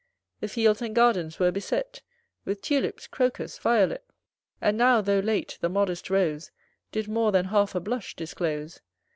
The fields and gardens were beset With tulips, crocus, violet; And now, though late, the modest rose Did more than half a blush disclose.